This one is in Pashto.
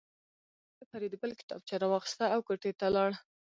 ډګروال د فریدګل کتابچه راواخیسته او کوټې ته لاړ